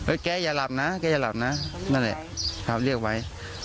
แกอย่าหลับนะแกอย่าหลับนะนั่นแหละเขาเรียกไว้